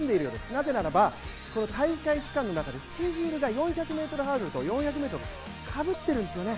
なぜならば、大会期間の中でスケジュールが４００ｍハードルと４００ｍとかぶっているんですよね。